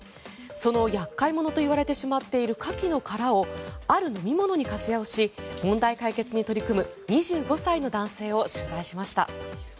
その厄介者といわれてしまっているカキの殻をある飲み物に活用し問題解決に取り組む２５歳の男性を取材しました。